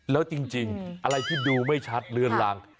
แล้วจริงอะไรที่ดูไม่ชัดเลือนลาง